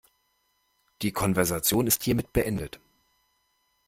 Die Konversation ist hiermit beendet.